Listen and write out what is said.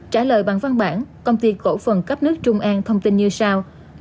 trả lời bằng văn bản công ty cổ phần cấp nước trung an thông tin như sau